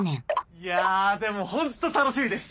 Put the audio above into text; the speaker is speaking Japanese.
いやでもホント楽しみです。